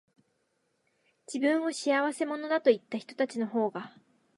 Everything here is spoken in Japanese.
自分を仕合せ者だと言ったひとたちのほうが、